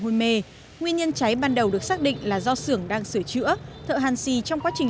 hôn mê nguyên nhân cháy ban đầu được xác định là do xưởng đang sửa chữa thợ hàn xì trong quá trình